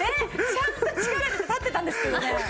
ちゃんと力入れて立ってたんですけどね。